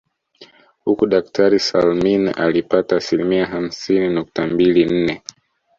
Huku daktari Salmin alipata asilimia hamsini nukta mbili nne